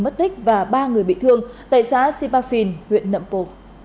mất tích và ba người bị thương tại xã sipafin huyện nậm pồ